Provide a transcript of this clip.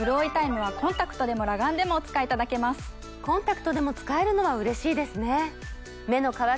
コンタクトでも使えるのはうれしいですね。